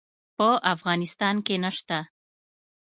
په افغانستان کې نشته